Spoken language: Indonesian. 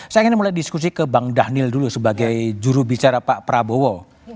saya ingin mulai diskusi ke bang dhanil dulu sebagai jurubicara pak prabowo